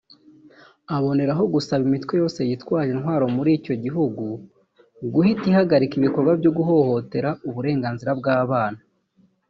aboneraho gusaba imitwe yose yitwaje intwaro muri icyo gihugu guhita ihagarika ibikorwa byo guhohotera uburenganzira bw’abana